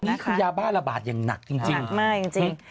นี่คือยาแบ่ระบาดอย่างหนักจริง